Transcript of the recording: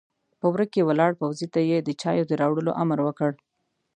په وره کې ولاړ پوځي ته يې د چايو د راوړلو امر وکړ!